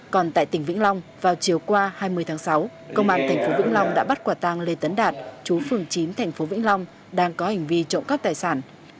còn tại tỉnh vĩnh long vào chiều qua hai mươi tháng sáu công an tp vĩnh long đã bắt quả tàng lê tấn đạt chú phường chín thành phố vĩnh long đang có hành vi trộm cắp tài sản